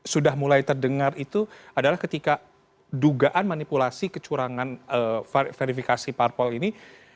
sudah mulai terdengar itu adalah ketika dugaan manipulasi kecurangan verifikasi parpol ini